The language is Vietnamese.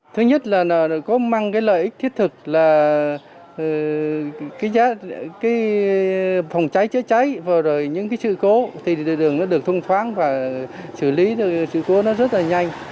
thứ nhất là có mang cái lợi ích thiết thực là cái phòng cháy chữa cháy vừa rồi những cái sự cố thì đường nó được thông thoáng và xử lý sự cố nó rất là nhanh